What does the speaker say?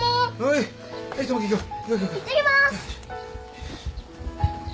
いってきます。